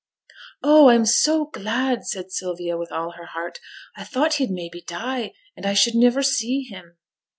'Oh! I am so glad,' said Sylvia, with all her heart. 'I thought he'd maybe die, and I should niver see him.'